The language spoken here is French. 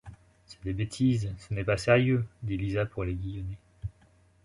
C’est des bêtises, ce n’est pas sérieux, dit Lisa pour l’aiguillonner.